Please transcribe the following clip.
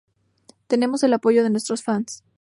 Tenemos el apoyo de nuestros fans.